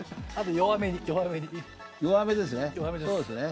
弱めですね。